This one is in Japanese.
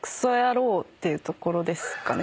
ていうところですかね。